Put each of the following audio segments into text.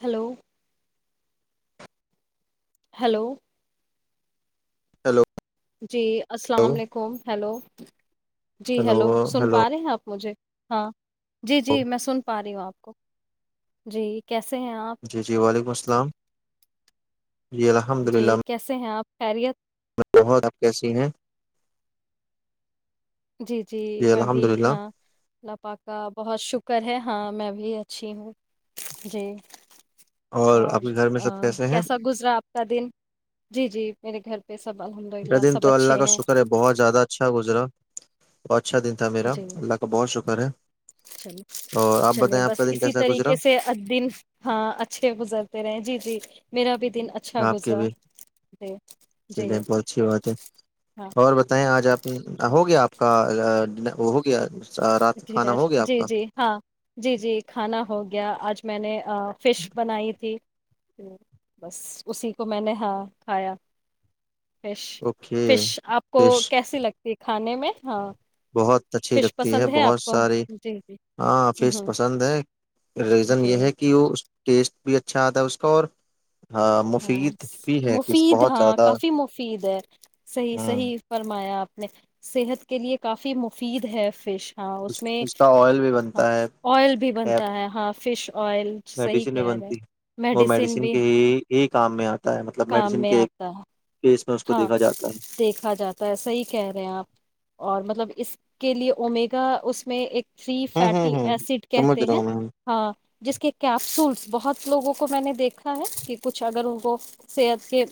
hello hello hello جی السلام علیکم ہیلو جٹ جی ہلو ہیلو سن ہلو پا رہے ہیں آپ مجھے ہاں جی جی میں سن پا رہی ہوں آپ جی کیسے ہیں آپ جی جی وعلیکم السلام جی الحمد للہ جی کیسے ہیں آپ خیریعت بہت اب کیسی ہیں جی جی میں بھی الحمد للہ ہاں لپا کا بہت شکر کر ہے ہاں میں بھی اچھی ہوں جی آپ اور کے گھر میں سب کیسے ہیں کیسا گزرا آپ کا دن جی جی میرے گھر پہ سب الحمد میرا للہ دن سب تو اللہ اچھے کا ہیں شکر ہے بہت زیادہ اچھا گزرا وچ [unintelligible] جی چلی اور آپ چلیے بتائیں آپ کا بس دن اسی کیسا گزرا طریقے سے ا دن ہاں اچھے گزرتے رہے جی جی میرا بھی [unintelligible] آپ کے گزرا بھی جی جی چلیے بہت اچھی بات ہے ہاں اور بتائیں آج آپ ہو گیا آپ کا وہ گیا رات کا کھانا ہو گیا آپ جی کا جی ہاں جی جی کھانا ہو گیا آج میں نے فش بنائی تھی بس اسی کو میں نے ہاں کھایا فش اوکے فش آپ کو فش کیسی لگتی ہے ک کھانے میں ہاں بہت اچھی فش لگتی ہے پسند بہت آپ کو ساری جی جی ہاں آ فس ہ پسند ہے ریزن جی یہ ہے کہ وہ اس ٹیسٹ بھی اچھا آتا ہے اس کا اور ہاں مفید بھی ہے کہ مفید بہت ہاں زیادہ کافی مفید ہے صحیح ہ صحیح فرمایا آپ صحت کے لیے کافی مفید ہے فش ہاں اس میں کا آئل بھی بنتا ہاں ہے آئل بھی ٹیب بنتا ہے ہاں فش آئل صحیح میڈیسن بھی کہہ رہے بنتی ہے وہ میڈیسین میڈیسن بھی کے ہی ہی کام میں آتا ہے مطلب کام میڈیسن میں کے آتا ہے ایک ہاں دیکھا جاتا ہے صحی کہہ رہے ہیں آپ اور مطلب اس کے لیے امیگا اس میں ایک فری ہوں فیٹی ہوں ہوں ایسڈ سمجھ کہتے رہا ہیں ہوں میں ہاں جس کے کیپسولس بہت لوگوں کو میں نے دیکھا ہے کہ کچھ اگر ان کو صحت کے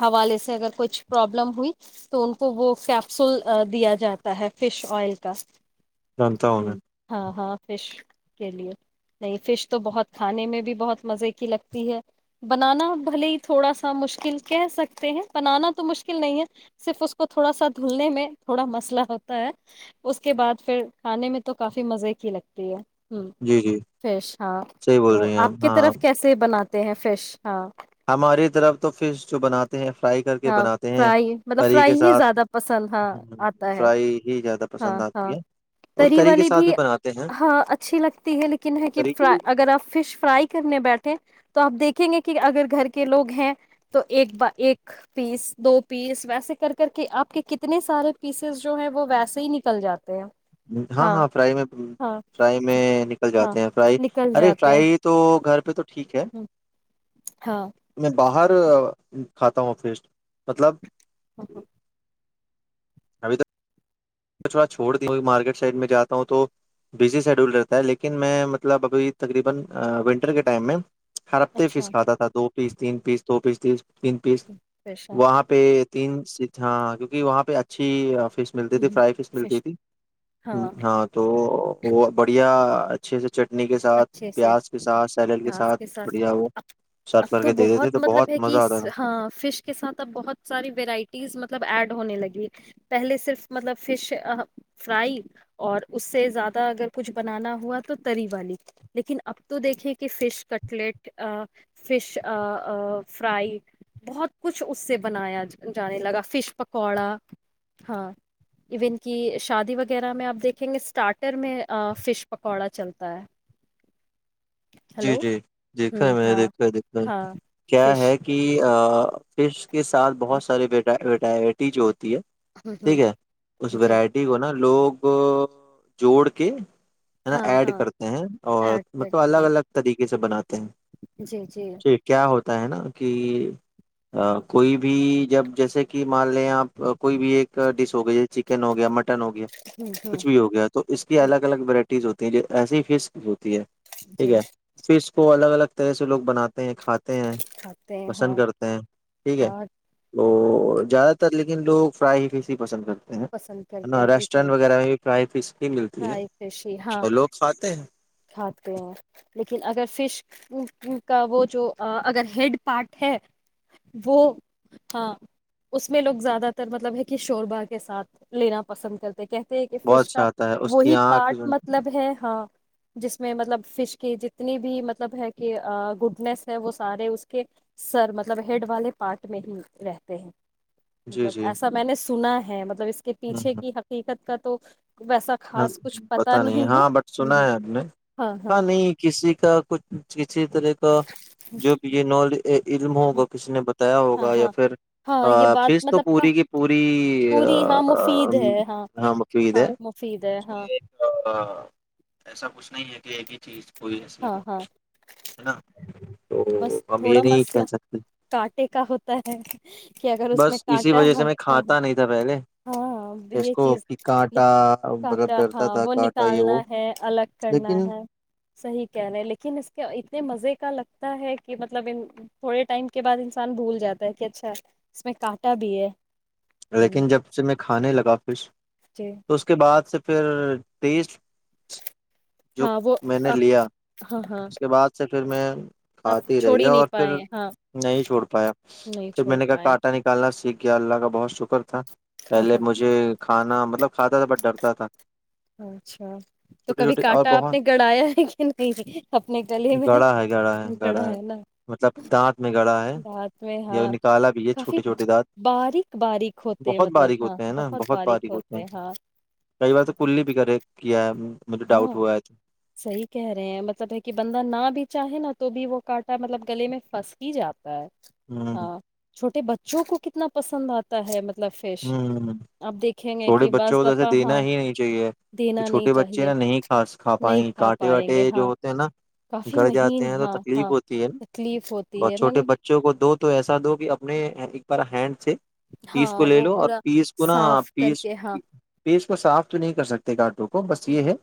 حوالے سے سے اگر کچھ پرابلم ہوئی تو ان کو وہ کیپسول دیا جاتا ہے فش آئل کا جانتا ہوں ہ میں ہاں ہاں فش کے لیے نہیں فش تو بہت کھانے میں بھی بہت مزے کی لگتی ہے بنانا بھلے ہی تھوڑا سا مشکل کہہ سکتے ہیں بنانا تو مشکل نہیں ہے صرف اس کو تھوڑا سا دھلنے میں تھوڑا مسئلہ ہوتا ہے اس کے بعد پھر کھانے میں تو کافی مزے کی لگتی ہے ہ جی جی فریش ہاں صحیح بول تو رہی ہیں ہم آپ کی ہاں طرف کیسے بنات ہیں فریش ہاں ہماری طرف تو فش جو بناتا ہاں فرائی مطلب کے فرائی ہی ساتھ زیادہ پسند ہاں آتا ہے فرائی ہی زیادہ ہاں پسند ہاں آتی ہے اور تری کری کے والی ساتھ بھی بناتے ہیں ہاں اچھی لگتی ہے لیکن ہے کہ کری فر کی بھی اگر آپ فش فرائی کرنے بیٹھے تو آپ دیکھیں گے کہ اگر گھر کے لوگ ہیں تو ایک ب ایک پیس دو پیس ویسے کر کر کے آپ کے کتنے سارے پیسز جو ہیں وہ ویسے ہی نکل جاتے ہیں ہاں ہاں فرائی میں ہاں فرائی میں نکل ہاں جاتے ہیں فرائی نکل ارے جاتے ہیں فرائی تو گھر پہ تو ٹھیک ہے ہوں، ہاں میں باہر کھاتا ہوں فیسٹ مطلب ہاں ہاں، اچھا چھوڑ دیں کوئی مارکیٹ سائیڈ میں جاتا ہوں تو بزی سیڈول رہتا ہے لیکن میں مطلب ابھی تقریبا ونٹر کے ٹائم میں ہر ہفتے اچھا پیس کھاتا تھا دو پیس تین پیس توو پیس تیس تین پیس فش وہاں پہ تین سیٹ ہاں کیونکہ وہاں پہ اچھی فش مل تھی ہاں فرائی ملتی فش تھی ہاں تو بڑھیا اچھے سے چٹنی کے ساتھ اچھے سے پیاز کے ساتھ سیلیڈ پیاس کے ساتھ بڑھیا وہ ا اب سرو کر تو کے دے دیتے بہت مطلب ہے کہ مزہ آتا تھا ہاں فش کے ساتھ اب بہت ساری وورائٹیز مطلب ایڈ ہونے لگی پہلے صرف مطلب فش فرائی اور اس سے زیادہ اگر کچھ بنانا ہوا تو تری والی لیکن اب تو دیکھے کہ فش کٹلیٹ فش فرائی بہت کچھ اس سے بنایا جانے لگا فش پکوڑا ہاں ایون کہ شادی وغیرہ میں آپ دیکھیں گے اسٹارٹر میں فش پکوڑا چلتا ہے جی ہلو جی ہ دیکھا ہے میں ہاں دیکھا دیکھا ہاں کیا فش ہے کہ ا پ [unintelligible] کے ساتھ ہ بہت سارےٹا بی ڈائبٹیج ہوتی ہے ہ ہ ٹھیک ہے اس جی ورائٹی کو نا لوگ جوڑ کے ہے نا ہاں ایڈ ہاں کرتے ہیں اور ایڈ مطلب کرتے الگ ہیں الگ طریقے سے بنات جی جی جھ کیا ہوتا ہے نا کہ کوئی بھی جب جیسے کہ مان لےیں آپ کوئی بھی ایک ڈش ہو گیا جیسے چکن ہو گیا مٹن ہو گیا ہ ہ کچھ بھی ہو گیا تو اس کی جی الگ الگ ورائٹی ہوتی ہیں جو ایسسی ہی فس ہوتی ہے جی ٹھیک ہے کو الگ الگ طرح سے لوگ بنات ہیں [unintelligible] ہیں کھاتے ہیں کھاتے ہیں پسند ہاں کرتے ہیں ٹھیک ہے اور [unintelligible] تو زیادہ تر لیکن لوگ فرائی ہی فش ہی پسند کرتے [inaudible] پسند کرتے نا ہیں بالکل ریسٹورینٹ وغیرہ میں بھی فرائی فش ہی ملتی ہے فرائی فش ہی ہاں اور لوگ کھاتے ہیں کھاتے ہیں لیکن اگر [inaudible] فش کا وہ جو اگر ہیڈ پارٹ ہے وہ ہاں اس میں لوگ زیادہ تر مطلب ہے کہ شور باغ [inaudible] کے ساتھ لینا پسند کرتے [inaudible] کہتے ہیں کہ بہت فش کا اچھا آتا ہے اس کی وہی آنکھ پارٹ جو- مطلب ہے ہاں [inaudible] جس میں مطلب فش کی جتنی بھی مطلب ہے کہ گڈنیس ہے وہ سارے اس کے سر مطلب ہیڈ والے پارٹ میں ہی رہتے ہیں [unintelligible] جی مطلب جی ایسا میں نے [unintelligible] سلہ [inaudible] ہ ب [inaudible] اس کے پیچھے کی حقیقت کا [inaudible] تو [inaudible] ہاں خاص کچھ پتا نہیں ہے ہاں بٹ سنا ہے اب نے ہاں نہیں کسی کا کچھ کسی طرح کا جو بھی یہ نالج [unintelligible] یہ علم ہوگا کسی نے بتا [inaudible] ط ہاں ہوگا یا ہاں پھر ہاں یہ بات فیس تو مطلب کا پوری کی پوری پوری ہاں مفید ہے ہاں مففید ہے ہاں مفید [inaudible] ہے اس میں ہاں ایک ایسا کچھ نہیں ہے کہ ایک ہی چیز کوئی ایصلی ہو ہاں ہاں ہے نا [unintelligible] بس ہم تھوڑا یہ نہیں مسئلہ کہہ سکتے کانٹے کا ہوتا ہے کہ اگر اس میں بس اسی کانٹا وجہ سے ہ میں ہ کھاتا نہیں تھا پہلے ہاں اس یہ کو چیز کہ ل [unintelligible] کانٹا مطلب کاتا ڈرتا ہاں تھا وہ کانٹا یہ نکالنا وہ ہے الگ کرنا لیکن ہے صحیح کہہ رہے لیکن اس کے اتنے مزے کا [inaudible] ہے کہ مطلب تھوڑے ٹائم کے بعد انسان بھول جاتا ہے کہ اچھا اس میں کانٹا بھی ہے [inaudible] ہ لیکن جب سے میں کھانے لگاتی [unintelligible] خچش جی تو اس کے بعد سے پھر تیس جو ہاں وہ میں نے آپ لیا ہاں ہاں اس کے بعد سے پھر میں آپ کھاتات ہی رہ چھوڑ گیا نہیں اور پھر پائے ہاں نہیں چھوڑ پایا نہیں پھر میں چھوڑ نے کہا پائے کانٹا نکالنا سیکھ کیا اللہ کا بہت شکر تھا ہاں پہلے مجھے کھانا مطلب کھاتا تھا بٹ ڈرتا تھا اچھا تو چھوٹی کبھی چھوٹی اور کانٹا آپ بہت نے گڑایا ہے کہ نہیں اپنے گلے میں گڑا ہے نا مطلب دانت میں گڑا ہے رات میں ہاں یا نکالا بھی ہے کافی چھوٹے چھوٹے دانت باریک ب باریک ہوتے بہت مطلب باریک ہاں ہوتے ہیں نا بہت باریک ہیں ہوتے ہاں کئی بار تو کلی بغیرہ کیا مجھے ڈؤٹ ہاں ہوا ہے صحیح کہہ رہے ہیں مطلب ہے کہ بندہ نہ بھی چاہے نا تو بھی وہ کانٹا مطلب گلے میں پھنس ہی جاتا ہے ہ ہاں چھوٹے بچے جو کو کتنا پسند آتا ہے ملب ہ چھوٹے کہ بچوں بعض کو تو ایسے دفعہ دینا ہاں ہی نہیں چاہیے کہ دینا نہیں چھوٹے بچے چاہیے نا نہیںا کھا نہیں بائی کانٹے پائیں واٹے گے جو ہاں ہوتے ہیں نا کافی گھر جاتے مہین ہیں تو ہاں تکلیف ہاں ہوتی ہے نا تکلیف ہوتی اور ہے میں چھوٹے نے بچوں کو دو تو ایسا دو کہ اپنے پر ہینڈ سے پیس ہاں کو لے وہ لو اور پورا پیس کو نا صاف کر پیس کے ہاں پیس کو تو صاف تو نہیں کر سکتے گٹو وہ بس ہوں، یہ ہوں، ہے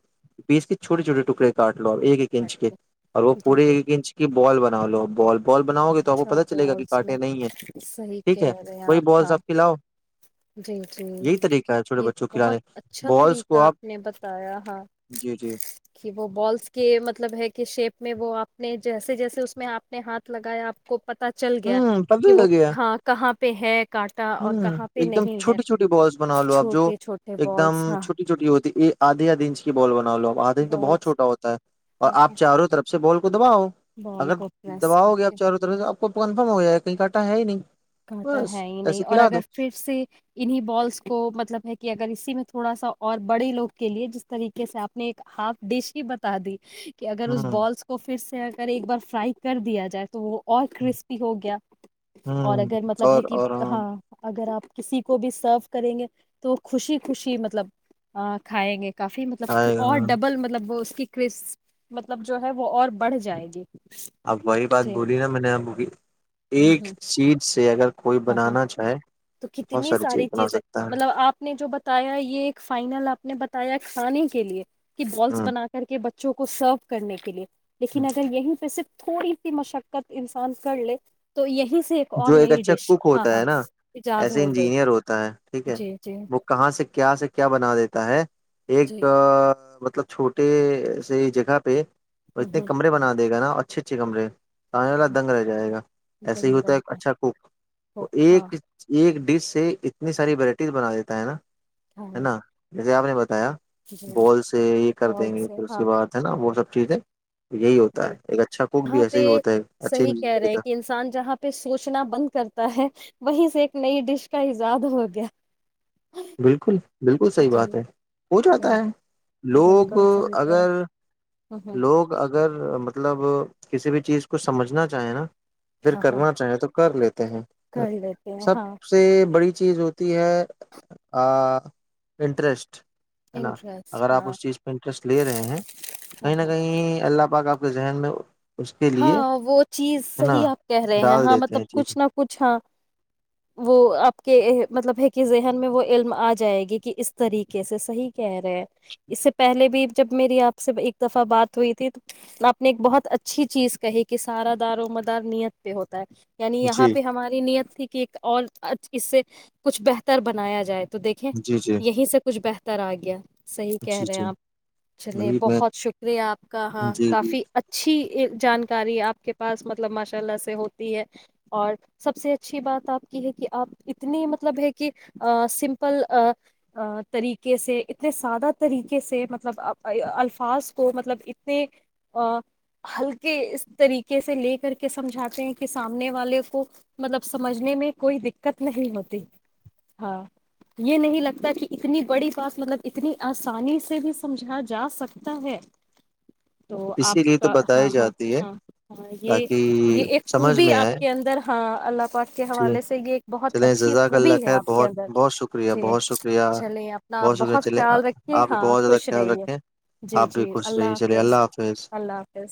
بیس کے چھٹےھوے ٹکڑےار ایک ہاں، ایکچ کے اور وہ جی پورے جی ایک انچ کی بال بنا لو بال بال بناؤ گے تو آپ کو اچھا پت چلے گا کہ بالس میں کانٹے نہیں ہے صحیح ٹھیک ہے کہہ رہے ہیں وہی بالس ہاں آپ کھلاؤ جی جی یہی طریقہ ہے چھوٹے یہ بچوں کو بہت کھلانے اچھا بالس طریقہ کو آپ نے بتایا ہے جی جی کہ وہ بالس کے مطلب ہے کہ شیپ میں وہ آپ نے جیسے جیسے اس میں آپ نے ہاتھ لگایا آپ کو پت چل گیا ہوں پتہ کہ وہ لگ گیا ہاں کہاں پہ کانٹا اور ہوں کہاں پہ ایک دم نہیں ہے چھوٹی چھوٹی بالس بنا لو آپ جو چھوٹے چھوٹے ایک دم بالس ہاں چھوٹی چھوٹی ہوتی ہے [unintelligible] آدھیا دنچ کی بول بن [unintelligible] لو آد تو بہت بالس چوٹا ہوتا ہے [unintelligible] اور آپ چاروں طرف [unintelligible] سے بال [unintelligible] دباؤ بال اگر کو پریس کر دباؤ گے کے آپ چاروں طرف سے آپ [unintelligible] کپ کنفرم ہو جائے ہے کہیں ک کاٹا ہے ہی نہیں [unintelligible] کہتا بس ہے ہی نہیں ایسے [unintelligible] اور کھلا اگر دو پھر سے انہیں بالس کو مطلب ہے کہ اگر [unintelligible] اسی میں تھوڑا سا اور بڑے لوگ کے لیے جس طریقے سے آپ نے ایک ہاف ڈش ہی بتا دی [unintelligible] کہ اگر اس ہوں بالس کو پھر کر ایک بار فرائی کر دیا جائے تو وہ اور کرسپی ہو گیا اور ہوں اگر مطلب ہے اور کہ اور ہاں اگر آپ کسی کو بھی سرو کریں گے تو خوشی خوشی مطلب کھائیں گے کافی مطلب آئے گا اور ہاں ڈبل مطلب وہ کہ کرس مطلب جو ہے وہ اور بڑھ جائے گی اب وہی بات جی بولی نا میں نے آ ہوں ایک ہوں سیٹ سے اگر کوئی ہاں ہاں بنانا چاہے تو بہت کتنی چیز ساری بنا چیزیں سکتا ہے مطلب آپ نے جو بتایا یہ ایک فائنل آپ نے بتایا کھانے کے لیے بالس ہ بنا کر کے بچے بچوں کو سرو کرنے کے لیے لیکن اگر یہی تو صرف تھوڑی سی مشقت انسان کر لے تو یہی اس ایک جو آن نئی اچھا ڈش کک ہاں ہوتا ہے ہاں نا ایجاد ایسے ہو گئی انجینئر ہوتا ہے ٹھیک ہے جی جی وہ کہاں سے کیا سے کیا بنا دیتا ہے ایک جی مطلب چھوٹے سے جگہ پہ اور گند اتنے کمرے بنا دے گا نا اچھا اٹھیک کمرے تو آنے والا دنگ رہ جائے گا ایسے ہی ہوتا ہے اچھا کوک دھوکھا ایک ایک ڈش سے اتنی ساری وورائٹیز بنا دیتا ہے نا ہے نا ج آپ نے بتا بال سے یہ کر دیں گے فالس ہے پھر اس کے ہاں بعد ہے نا وہ سب ٹھیک ہے یہی ہوتا ہے ایک اچھا کوک بھی یہاں ایسا پہ ہی ہوتا ہے اچھی زندگی کا رچنا بند کرتا ہے وہ سے ایک نئی ڈش کا ایجاد ہو گیا بالکل بالکل صحیح جی بات ہے ہو جاتا ہے لوگ بالکل صحیح کہہ اگر رہا ہ لوگ اگر مطلب کسی بھی چیز کو سمجھنا چاہیں نا پھر ہاں ہاں کرنا چاہیں تو کر لیتے کر لیتے ہیں سب ہاں سے بڑی چیز ہوتی ہے انٹرسٹ ہے نا اگر انٹرسٹ ہاں آپ اس ہاں چیز پہ انٹرسٹ لے رہے ہیں کہیں نہ ہاں کہیں اللہ پاکاک آپ ذہن میں اس کے لیے ہاں وہ چیز ہے نا صحیح آپ کہہ رہے ہیں ڈال ہاں دیتے مطلب چیزیں کچھ نہ کچھ ہاں وہ آپ کے مطلب ہے کہ ذہن میں وہ علم آ جائے گی کہ اس طریقے سے صحیح کہہ رہے ہیں اس سے پہلے بھی جب میری آپ سے ایک دفعہ بات ہوئی تھی آپ نے ایک بہت اچ اچھی چیز کہے کہ سارا دار و مدار نیت پہ ہوتا ہے یعنی یہاں جی پہ ہماری نیت ت کہ ایک اور اس سے کچھ بہتر بنایا جائے تو دیکھیں جی جی یہیں سے کچھ بہتر طرا گیہ صحیح کہہ جی رہے ہیں جی آپ چلیے وہی میں بہت شکریہ آپ کا ہاں جی جی کافی اچھی جانکاری آپ کے پاس مطلب ماشاء اللہ سے ہوتی ہے اور سب سے اچھی بات آپ کی ہے کہ آپ اتنی مطلب ہے کہ سمپل طریقے سے اتنے سادہ طریقے سے مطلب الفاظ کو مطلب اتنے ہلکے اس طریقے سے لے کر کے سمجھاتے ہیں کہ سامنے والے کو مطلب سمجھنے میں کوئی دقت نہیں ہوتی ہاں یہ نہیں لگتا کہ اتنی بڑی بات مطلب اتنی آسانی سے بھی سمجھا جا سکتا ہے تو آپ اسی لیے تو کا ہاں بتائی ہاں جاتی ہے ہاں ہاں یہ یہ تاکہ ایک سمجھ خوبی میں آئے آپ کے اندر ہاں اللہ وق کے جی حوالے سے یہ ایک بہت چلیں اچھی جزاک خوبی اللہ ہے خیر آپ کے بہت اندر بہت شکریہ جی بہت شکریہ چلے اپنا آپ شکریہ بہت چلے خیال رکھیے آپ بھی ہاں بہت زیادہ خوش خیال رہیے رکھیں جی آپ بھی جی خوش رہیے اللہ چلیے حافظ اللہ حافظ